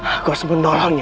aku harus menolongnya